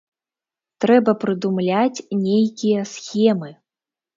Трэба прыдумляць нейкія схемы.